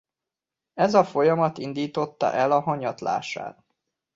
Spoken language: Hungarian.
Ez a folyamat indította el hanyatlását.